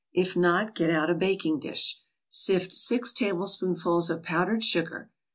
If not, get out a baking dish. Sift six tablespoonfuls of powdered sugar.